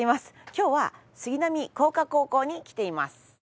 今日は杉並工科高校に来ています。